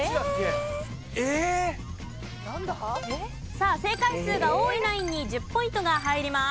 さあ正解数が多いナインに１０ポイントが入ります。